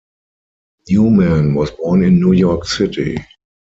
Newman was born in New York City.